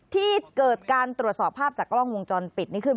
ที่เกิดการตรวจสอบภาพจากกล้องวงจรปิดนี่คือ